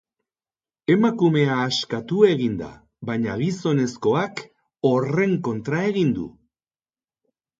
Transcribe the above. Emakumea askatu egin da, baina gizonezkoak horren kontra egin du.